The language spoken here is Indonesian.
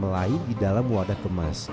mie akan dikemas di dalam wadah kemas